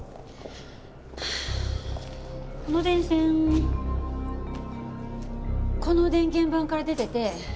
この電線この電源盤から出てて。